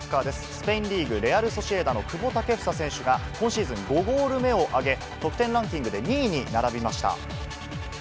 スペインリーグ・レアル・ソシエダの久保建英選手が、今シーズン５ゴール目を挙げ、得点ランキングで２位に並びました。